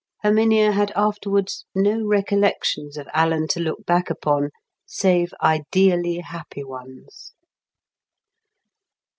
Herminia had afterwards no recollections of Alan to look back upon save ideally happy ones.